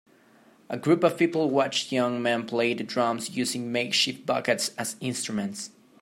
A group of people watch young men play the drums using makeshift buckets as instruments.